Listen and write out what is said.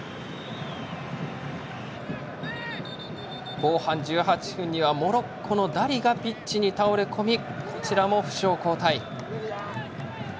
後半１８分にはモロッコのダリがピッチに倒れ込みこちらも負傷交代。